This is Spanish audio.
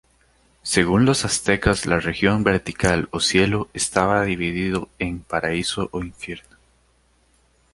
Según los aztecas la región vertical o cielo; estaba dividido en paraíso o infierno.